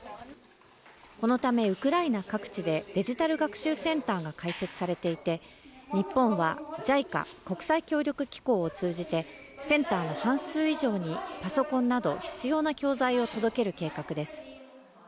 このためウクライナ各地でデジタル学習センターが開設されていて、日本はＪＩＣＡ＝国際協力機構を通じてセンターの半数以上にパソコンなど必要な教材を届ける計画です。